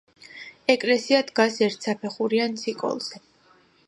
ეკლესია დგას ერთსაფეხურიან ცოკოლზე.